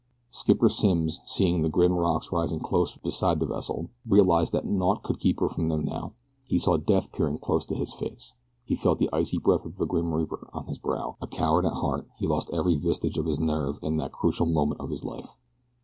Skipper Simms, seeing the grim rocks rising close beside his vessel, realized that naught could keep her from them now. He saw death peering close to his face. He felt the icy breath of the Grim Reaper upon his brow. A coward at heart, he lost every vestige of his nerve at this crucial moment of his life.